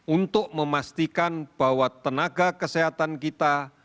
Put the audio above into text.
untuk memastikan bahwa tenaga kesehatan kita